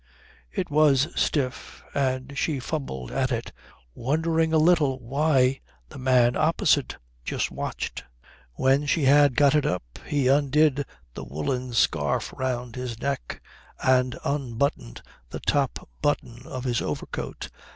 It was stiff, and she fumbled at it, wondering a little why the man opposite just watched. When she had got it up he undid the woollen scarf round his neck and unbuttoned the top button of his overcoat.